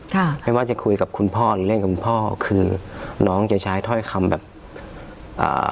ค่ะไม่ว่าจะคุยกับคุณพ่อหรือเล่นกับคุณพ่อคือน้องจะใช้ถ้อยคำแบบอ่า